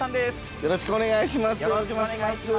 よろしくお願いします。